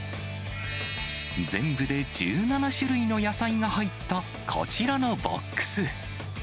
全部で１７種類の野菜が入ったこちらのボックス。